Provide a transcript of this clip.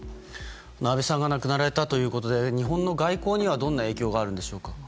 安倍さんが亡くなられたことで日本の外交にはどんな影響があるんでしょうか？